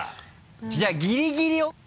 じゃあギリギリＯＫ。